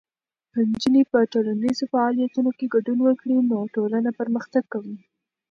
که نجونې په ټولنیزو فعالیتونو کې ګډون وکړي، نو ټولنه پرمختګ کوي.